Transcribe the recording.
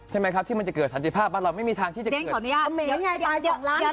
ใช่ไหมครับที่มันจะเกิดสันติภาพเราไม่มีทางที่จะเกิด